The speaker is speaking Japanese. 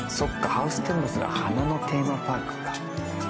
ハウステンボスが花のテーマパークか。